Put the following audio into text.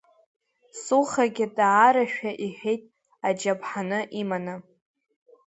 Сухагьы даарашәа иҳәеит аџьаԥҳаны иманы.